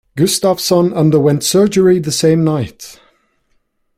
Gustafsson underwent surgery the same night.